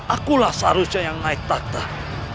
akulah seharusnya yang naik taktah